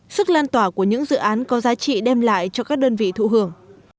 sức lan tỏa của những dự án có giá trị đem lại cho các đơn vị thụ hưởng